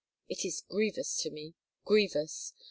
It is grievous to me, grievous!